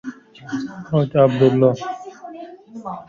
حاج عبدالله